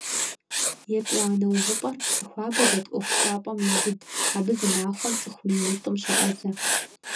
Етӏуанэ увыпӏэр Псыхуабэ дэт ӏуэхущӏапӏэм еубыд - абы зы махуэм цӏыху минитӏым щоӏэзэ.